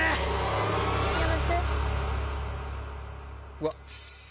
うわっ！